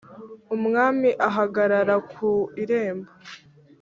umwami ahagarara ku irembo